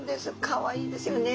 かわいいですよね。